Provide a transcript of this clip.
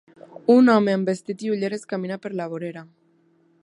Un home amb vestit i ulleres camina per la vorera.